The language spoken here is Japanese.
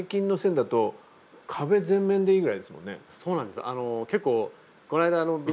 そうなんです